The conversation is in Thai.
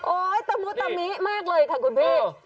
โอ้ยตะหมูตะหมีมากเลยค่ะคุณพี่